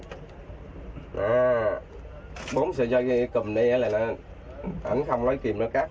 nà bốn xe dài cầm đi là ảnh không lấy phim nó cắt